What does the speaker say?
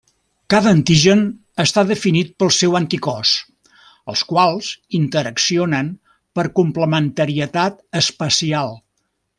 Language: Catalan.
Cada antigen està definit pel seu anticòs, els quals interaccionen per complementarietat espacial.